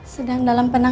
sedang dalam penanganan